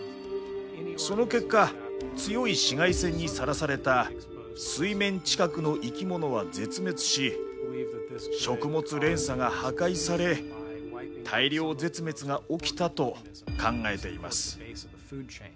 その結果強い紫外線にさらされた水面近くの生き物は絶滅し食物連鎖が破壊され大量絶滅が起きたと考えています。